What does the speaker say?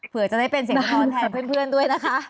เผื่อจะได้เป็นเสียงสะท้อนแทนเพื่อนด้วยนะคะ